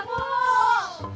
kenapa dia ke sana